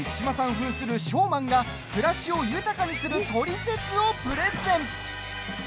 ふんするショーマンが暮らしを豊かにするトリセツをプレゼン。